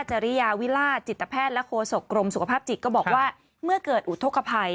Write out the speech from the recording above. จริยาวิราชจิตแพทย์และโฆษกรมสุขภาพจิตก็บอกว่าเมื่อเกิดอุทธกภัย